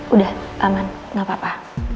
udah aman gapapa